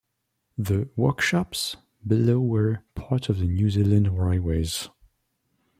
The "Workshops" below were part of New Zealand Railways.